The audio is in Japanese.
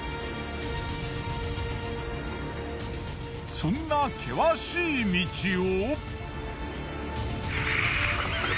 そんな険しい道を。